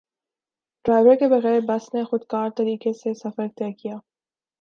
driver کے بغیر bus نے خودکار طریقے سے سفر طے کیا